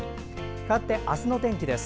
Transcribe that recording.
かわって明日の天気です。